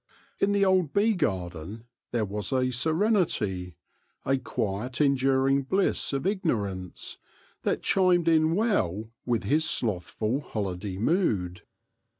In the old bee garden there was a serenity, a quiet enduring bliss of ignorance, that chimed in well with his slothful, holiday mood.